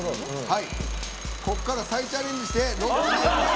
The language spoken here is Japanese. こっから再チャレンジして６年後には。